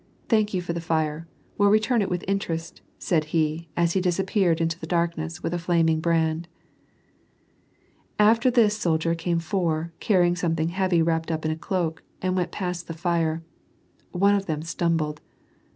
Thank you for the fire ; we'll return it with interest," said he, as he disappeared into the darkness, with a flaming brand. After this soldier came four, cariying something heavy wrapped up in a cloak, and went past the fire. One of them stumbled.